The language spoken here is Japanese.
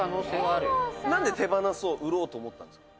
「なんで手放そう売ろうと思ったんですか？」